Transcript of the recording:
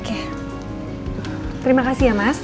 terima kasih ya mas